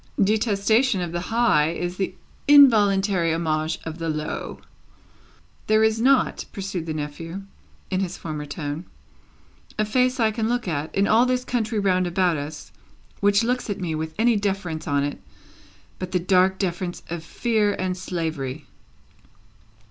"Detestation of the high is the involuntary homage of the low." "There is not," pursued the nephew, in his former tone, "a face I can look at, in all this country round about us, which looks at me with any deference on it but the dark deference of fear and slavery."